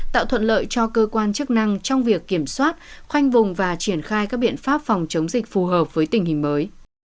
tạo thuận lợi cho cơ quan chức năng trong việc kiểm soát khoanh vùng và triển khai các biện pháp phòng chống dịch phù hợp với tình hình mới